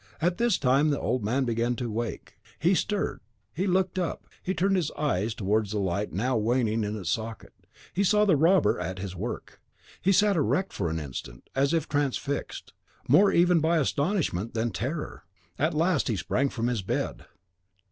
At this time the old man began to wake. He stirred, he looked up; he turned his eyes towards the light now waning in its socket; he saw the robber at his work; he sat erect for an instant, as if transfixed, more even by astonishment than terror. At last he sprang from his bed.